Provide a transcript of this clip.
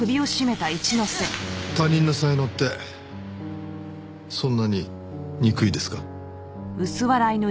他人の才能ってそんなに憎いですか？